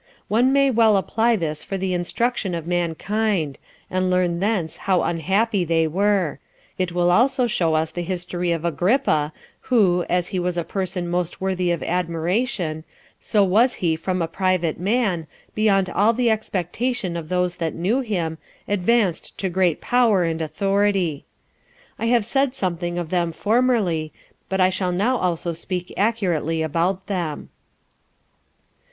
16 One may well apply this for the instruction of mankind, and learn thence how unhappy they were: it will also show us the history of Agrippa, who, as he was a person most worthy of admiration, so was he from a private man, beyond all the expectation of those that knew him, advanced to great power and authority. I have said something of them formerly, but I shall now also speak accurately about them.